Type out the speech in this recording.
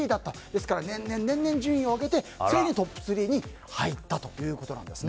ですから年々順位を上げてついにトップ３に入ったということなんです。